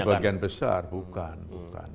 sebagian besar bukan